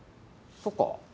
そっか。